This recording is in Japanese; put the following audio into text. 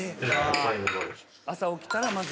朝起きたらまず。